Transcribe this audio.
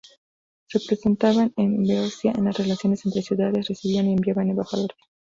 Representaban a Beocia en las relaciones entre ciudades, recibían y enviaban embajadores.